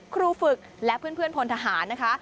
ครูฝึกและเพื่อนพลทหารนะคะ